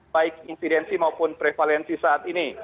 baik insidensi maupun prevalensi saat ini